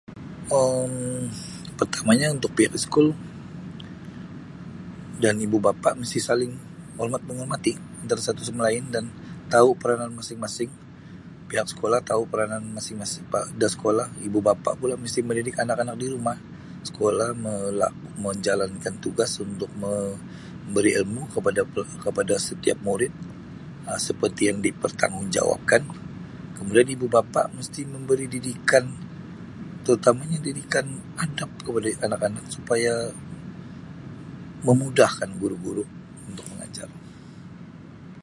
um Pertamanyo untuk pihak iskul dan ibu bapa mesti saling hormat menghormati antara satu sama lain dan tau peranan masing-masing. Pihak sekolah tau peranan masing-masing da sekolah ibu bapa pula mesti mendidik anak-anak di rumah. Sekolah melaku menjalankan tugas untuk memberi ilmu kepada setiap murid seperti yang dipertanggungjawabkan kemudian ibu bapa mesti memberi didikan terutamanya didikan adap kepada anak-anak supaya memudahkan guru-guru untuk mengajar.